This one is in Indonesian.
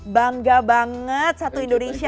bangga banget satu indonesia